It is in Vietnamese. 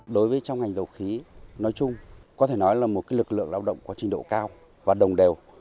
đối với trong ngành dầu khí nói chung có thể nói là một lực lượng lao động có trình độ cao và đồng đều